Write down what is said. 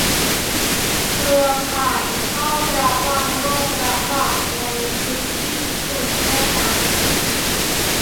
เครือข่ายเฝ้าระวังโรคระบาดในพื้นที่สุ่มแม่น้ำโขง